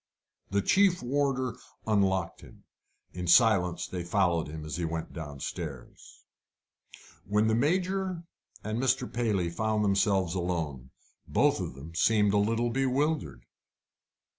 The chief warder unlocked him. In silence they followed him as he went downstairs. When the Major and Mr. Paley found themselves alone, both of them seemed a little bewildered.